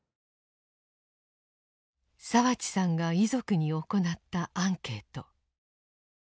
澤地さんが遺族に行ったアンケート。